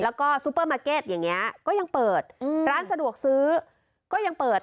แล้วก็ซูเปอร์มาร์เก็ตอย่างนี้ก็ยังเปิดอืมร้านสะดวกซื้อก็ยังเปิด